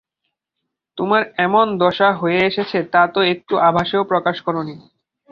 তোমার যে এমন দশা হয়ে এসেছে তা তো একটু আভাসেও প্রকাশ কর নি।